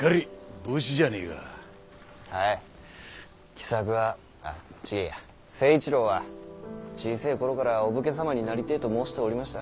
喜作はあ違ぇや成一郎は小せぇ頃からお武家様になりてぇと申しておりました。